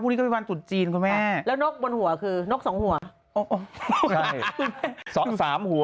วันนี้ก็เป็นวันตุดจีนคุณแม่แล้วนกบนหัวคือนกสองหัวใช่สองสามหัว